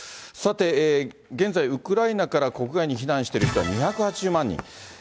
さて、現在、ウクライナから国外に避難している人は２８０万人。